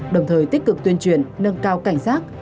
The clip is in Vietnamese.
đồng thời tích cực tuyên truyền nâng cao cảnh giác